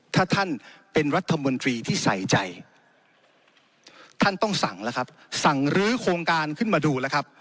ถ้าท่านเป็นรัฐมนตรีที่ใส่ใจท่านต้องสั่งลื้อโครงการขึ้นมาดูนะครับ